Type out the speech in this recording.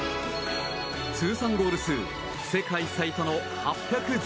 通算ゴール数世界最多の８１８。